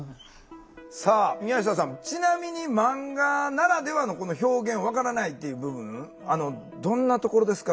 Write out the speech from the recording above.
さあ宮下さんちなみにマンガならではのこの表現分からないっていう部分どんなところですか？